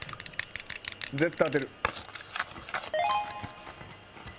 絶対当てる。